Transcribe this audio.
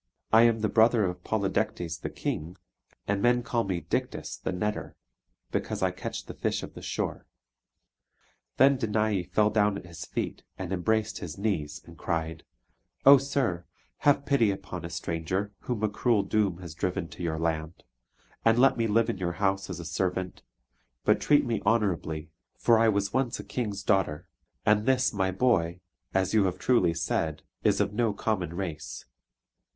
I am the brother of Polydectes the King; and men call me Dictys the netter, because I catch the fish of the shore." Then Danae fell down at his feet, and embraced his knees and cried: "Oh, sir, have pity upon a stranger, whom a cruel doom has driven to your land; and let me live in your house as a servant; but treat me honourably, for I was once a king's daughter, and this my boy (as you have truly said) is of no common race.